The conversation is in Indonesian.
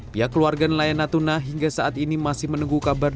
pihak keluarga nelayan natuna hingga saat ini masih menunggu kabar